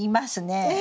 え